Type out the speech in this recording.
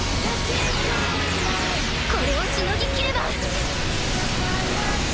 これをしのぎ切れば！